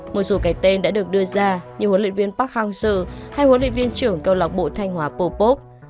một số cái tên đã được đưa ra như huấn luyện viên park hang seo hay huấn luyện viên trưởng câu lạc bộ thanh hóa popop